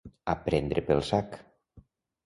A prendre pel sac.